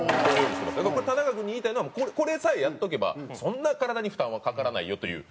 これ田中君に言いたいのはこれさえやっておけばそんな体に負担はかからないよという。